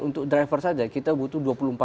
untuk driver saja kita butuh dua puluh empat